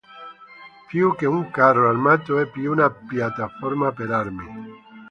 Più che un carro armato è più una piattaforma per armi.